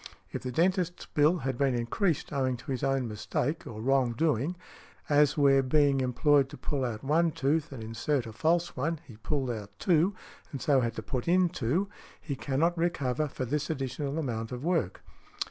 If the dentist's bill has been increased owing to his own mistake or wrong doing—as where being employed to pull out one tooth and insert a false one, he pulled out two, and so had to put in two; he cannot recover for this additional amount of work.